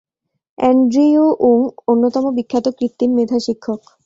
Andrew উং অন্যতম বিখ্যাত কৃত্রিম মেধা শিক্ষক।